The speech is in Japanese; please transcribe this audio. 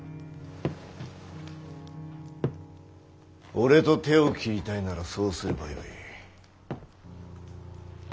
俺と手を切りたいならそうすればよい。